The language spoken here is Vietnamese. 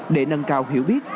để nâng cao hiểu biết